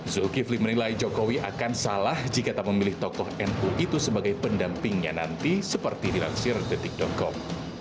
zulkifli menilai jokowi akan salah jika tak memilih tokoh nu itu sebagai pendampingnya nanti seperti dilansir detik com